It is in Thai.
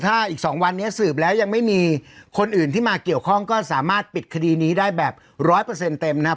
ถ้าอีก๒วันนี้สืบแล้วยังไม่มีคนอื่นที่มาเกี่ยวข้องก็สามารถปิดคดีนี้ได้แบบร้อยเปอร์เซ็นต์เต็มนะครับ